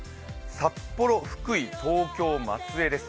札幌、福井、東京、松江です。